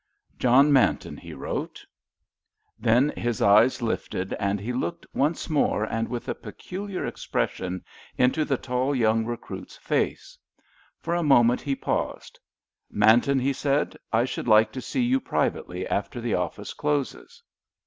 "John Manton," he wrote, then his eyes lifted, and he looked once more and with a peculiar expression into the tall young recruit's face. For a moment he paused. "Manton," he said, "I should like to see you privately after the office closes."